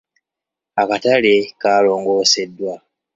Akatale kaalongoseddwa.